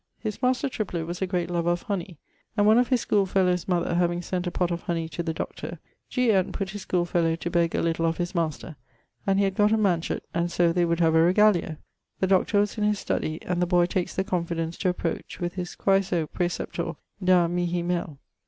His master Triplett was a great lover of honey, and one of his schoolefellow's mother having sent a pott of honey to the doctor, G. Ent putt his schoolefellow to beg a little of his master, and he had gott a manchet and so they would have a regalio. The doctor was in his study; and the boy takes the confidence to approach, with his 'Quaeso, praeceptor, da mihi mel.'